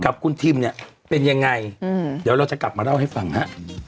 กับคุณทิมเนี่ยเป็นยังไงเดี๋ยวเราจะกลับมาเล่าให้ฟังฮะ